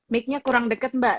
mic nya kurang deket mbak